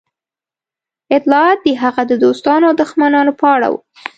اطلاعات د هغه د دوستانو او دښمنانو په اړه وو